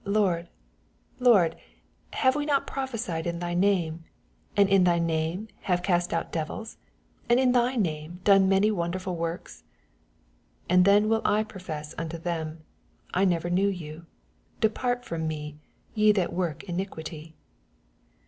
Lord, Lord, have we not prophesied in thy name? and in thy name have cast out devils ? and in thy name done many wonderful works I 28 And then will I profess unto them, I never knew you : depart from me, ye that work iniquity.